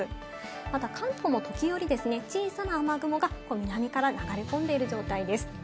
また関東も時折ですね、小さな雨雲が南から流れ込んでいる状態です。